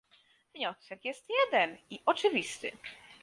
Wniosek jest jeden i oczywisty